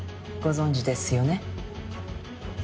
ご存じですよね？